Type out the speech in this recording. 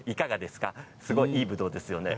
すごいいいぶどうですよね。